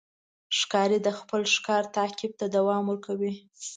ښکاري د خپل ښکار تعقیب ته دوام ورکوي.